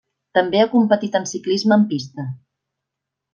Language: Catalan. També ha competit en ciclisme en pista.